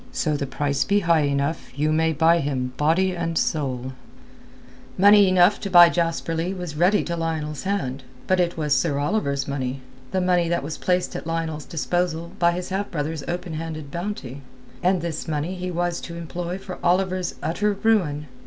So the price be high enough you may buy him body and soul." Money enough to buy Jasper Leigh was ready to Lionel's hand; but it was Sir Oliver's money—the money that was placed at Lionel's disposal by his half brother's open handed bounty. And this money he was to employ for Oliver's utter ruin!